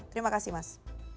terima kasih mas